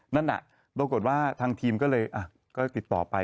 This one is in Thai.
นั่นน่ะปรากฏว่าทางทีมก็เลยก็ติดต่อไป